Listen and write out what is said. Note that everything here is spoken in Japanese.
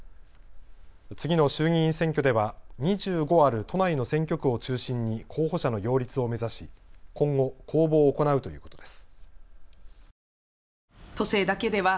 次の衆議院選挙では２５ある都内の選挙区を中心に候補者の擁立を目指し今後、公募を行うということです。